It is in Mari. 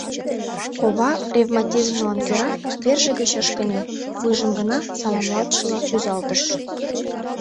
Кова ревматизмжылан кӧра верже гыч ыш кынел, вуйжым гына саламлалтшыла рӱзалтыш.